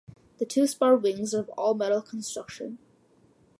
The two-spar wings are of all-metal construction.